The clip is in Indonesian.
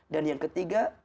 dan yang ketiga